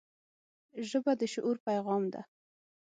ژبه د شعور پیغام ده